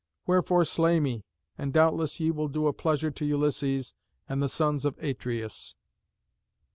Wherefore slay me, and doubtless ye will do a pleasure to Ulysses and the sons of Atreus."